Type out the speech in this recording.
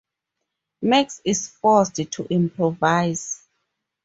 Max is forced to improvise.